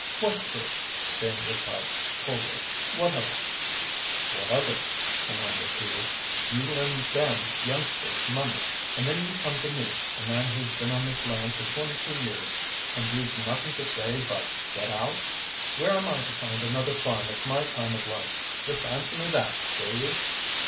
"Quite true," Jane replied coldly. "What of it?" "What of it?" the man repeated. "You lend them youngsters money and then you come to me, a man who's been on this land for twenty two years, and you've nothing to say but 'get out!' Where am I to find another farm at my time of life? Just answer me that, will you?"